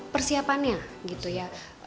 persiapannya gitu ya